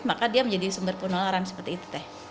maka dia menjadi sumber penularan seperti itu teh